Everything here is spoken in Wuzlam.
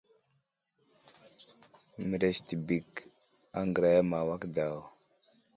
Mərəz təbək aŋgəraya ma awak daw.